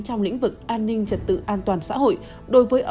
trong lĩnh vực an ninh trật tự an toàn xã hội